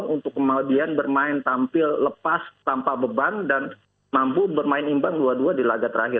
untuk kemudian bermain tampil lepas tanpa beban dan mampu bermain imbang dua dua di laga terakhir